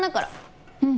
うん。